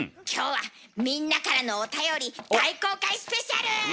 今日はみんなからのおたより大公開スペシャル！